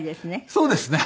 そうですね。